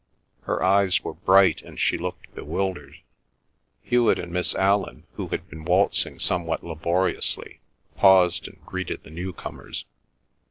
Her eyes were bright and she looked bewildered. Hewet and Miss Allan, who had been waltzing somewhat laboriously, paused and greeted the newcomers.